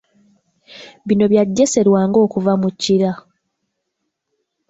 Bino Bya Jesse Lwanga okuva mu Kira.